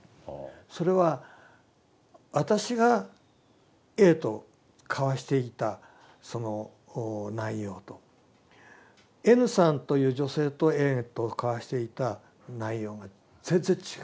それは私がＡと交わしていたその内容とＮさんという女性とＡと交わしていた内容が全然違う。